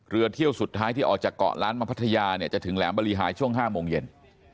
เที่ยวสุดท้ายที่ออกจากเกาะล้านมาพัทยาเนี่ยจะถึงแหลมบริหายช่วง๕โมงเย็น